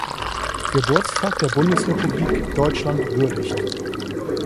Geburtstag der Bundesrepublik Deutschland würdigt.